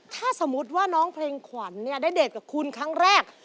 ถ้าสมมุติว่าน้องเพลงขวัญได้เดทกับคุณครั้งแรก